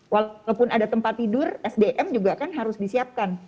walaupun ada tempat tidur sdm juga kan harus disiapkan